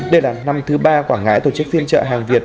đây là năm thứ ba quảng ngãi tổ chức phiên trợ hàng việt